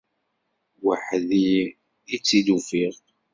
Weḥd-i i tt-id-ufiɣ.